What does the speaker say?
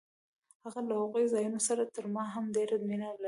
هغه له هغو ځایونو سره تر ما هم ډېره مینه لري.